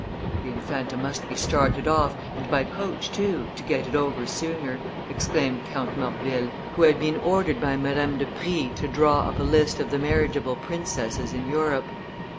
"The Infanta must be started off, and by coach too, to get it over sooner," exclaimed Count Morville, who had been ordered by Madame de Prie to draw up a list of the marriageable princesses in Europe.